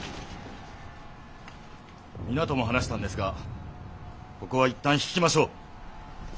皆とも話したんですがここはいったん引きましょう。